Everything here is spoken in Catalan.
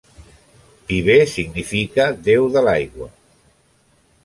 Viver significa déu de l'aigua.